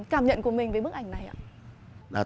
cảm nhận của mình với bức ảnh này ạ